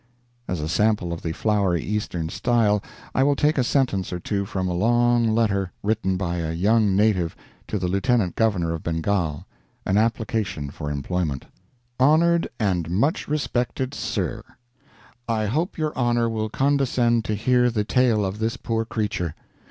As a sample of the flowery Eastern style, I will take a sentence or two from a long letter written by a young native to the Lieutenant Governor of Bengal an application for employment: "HONORED AND MUCH RESPECTED SIR, "I hope your honor will condescend to hear the tale of this poor creature.